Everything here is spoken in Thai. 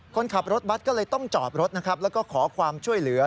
คนขับรถบัตรก็เลยต้องจอดรถนะครับแล้วก็ขอความช่วยเหลือ